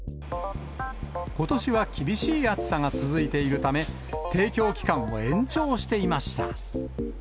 ことしは厳しい暑さが続いているため、提供期間を延長していました。